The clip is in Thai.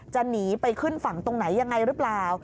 หนีไปขึ้นฝั่งตรงไหนยังไงหรือเปล่า